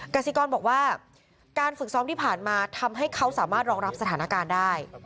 กสิกรบอกว่าการฝึกซ้อมที่ผ่านมาทำให้เขาสามารถรองรับสถานการณ์ได้